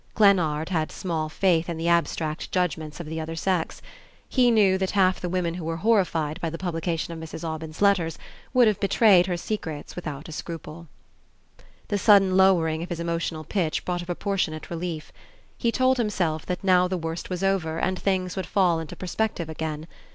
Glennard had small faith in the abstract judgments of the other sex; he knew that half the women who were horrified by the publication of Mrs. Aubyn's letters would have betrayed her secrets without a scruple. The sudden lowering of his emotional pitch brought a proportionate relief. He told himself that now the worst was over and things would fall into perspective again.